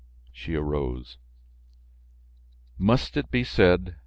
She arose. "Must it be said?